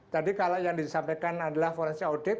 tadi kalau yang disampaikan adalah forensik audit